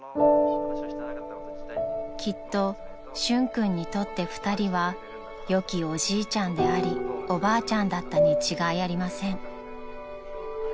［きっと俊君にとって２人はよきおじいちゃんでありおばあちゃんだったに違いありません］